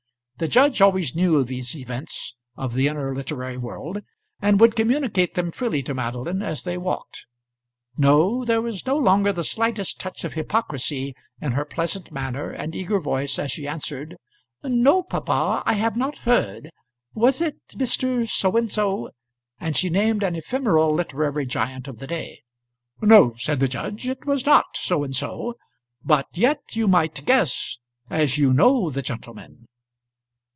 The judge always knew these events of the inner literary world, and would communicate them freely to Madeline as they walked. No; there was no longer the slightest touch of hypocrisy in her pleasant manner and eager voice as she answered, "No, papa, I have not heard. Was it Mr. So and so?" and she named an ephemeral literary giant of the day. "No," said the judge, "it was not So and so; but yet you might guess, as you know the gentleman."